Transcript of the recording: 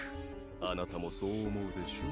あなたもそう思うでしょう？